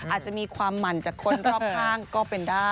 อาจจะมีความหมั่นจากคนรอบข้างก็เป็นได้